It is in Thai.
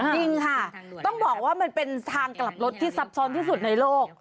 จริงค่ะต้องบอกว่ามันเป็นทางกลับรถที่ซับซ้อนที่สุดในโลก